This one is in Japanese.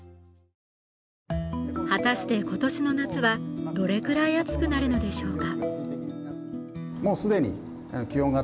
果たして今年の夏はどれくらい暑くなるのでしょうか。